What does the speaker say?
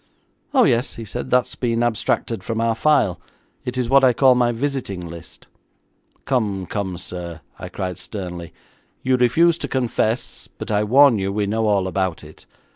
'Oh, yes,' he said, 'that has been abstracted from our file. It is what I call my visiting list.' 'Come, come, sir,' I cried sternly, 'you refuse to confess, but I warn you we know all about it.